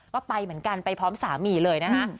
ก็ไปเหมือนกันไปพร้อมสามีเลยนะคะ